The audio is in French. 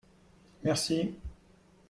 Merci